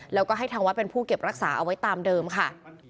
แล้วก็ให้ทางวัดเป็นผู้เก็บรักษาเอาไว้ตามเดิมค่ะ